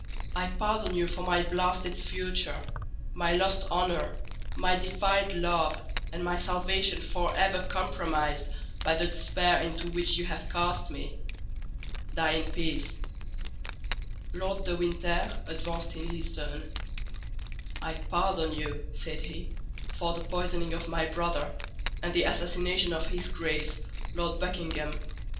I pardon you for my blasted future, my lost honor, my defiled love, and my salvation forever compromised by the despair into which you have cast me. Die in peace!" Lord de Winter advanced in his turn. "I pardon you," said he, "for the poisoning of my brother, and the assassination of his Grace, Lord Buckingham.